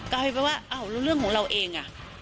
กลายเป็นว่าอ้าวแล้วเรื่องของเราเอง